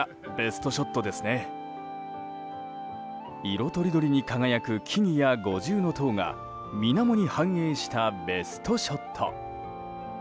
色とりどりに輝く木々や五重塔が水面に反映したベストショット。